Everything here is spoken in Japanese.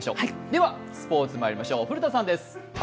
ではスポーツまいりましょう、古田さんです。